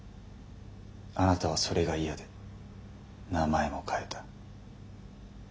あなたはそれが嫌で名前も変えた。